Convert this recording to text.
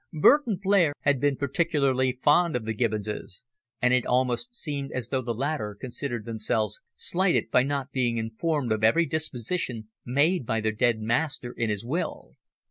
Burton Blair had been particularly fond of the Gibbonses, and it almost seemed as though the latter considered themselves slighted by not being informed of every disposition made by their dead master in his will.